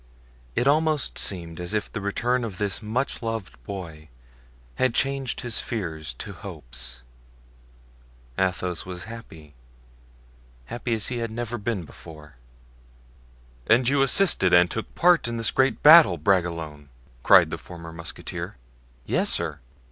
It almost seemed as if the return of this much loved boy had changed his fears to hopes. Athos was happy—happy as he had never been before. "And you assisted and took part in this great battle, Bragelonne!" cried the former musketeer. "Yes, sir."